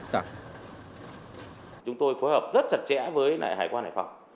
chúng tôi phối hợp rất chặt chẽ với hải quan hải phòng